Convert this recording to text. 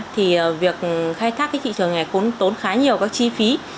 thì việc khai thác cái thị trường này cũng tốn khá nhiều các chi phí